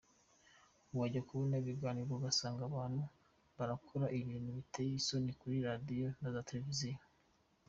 Wajya kubona ibiganiro ugasanga abantu barakora ibintu biteye isoni kuri radiyo na za televiziyo.